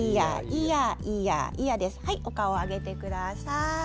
お顔を上げてください。